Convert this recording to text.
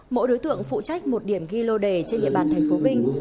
mỗi đối tượng phụ trách một điểm ghi lô đề trên địa bàn tp vinh